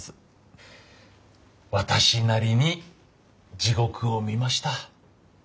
私なりに地獄を見ました。